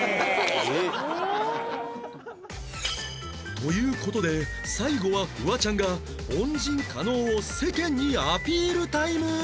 という事で最後はフワちゃんが恩人加納を世間にアピールタイム！